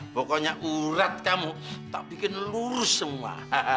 pokoknya ulat kamu tak bikin lurus semua